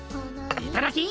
いただき！